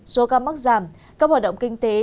số ca mắc giảm các hoạt động kinh tế